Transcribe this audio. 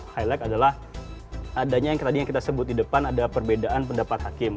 highlight adalah adanya yang tadi kita sebut di depan ada perbedaan pendapat hakim